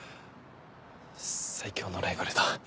最強のライバルだ。